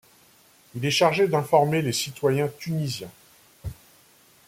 Il est chargé d'informer les citoyens tunisiens.